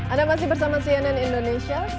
anda masih bersama cnn indonesia